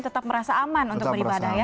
tetap merasa aman untuk beribadah ya